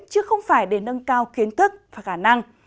chứ không phải để nâng cao kiến thức và khả năng